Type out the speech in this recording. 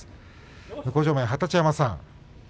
向正面、二十山さん。